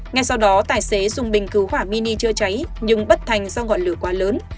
ngay sau đó tài xế dùng bình cứu hỏa mini chữa cháy nhưng bất thành do ngọn lửa quá lớn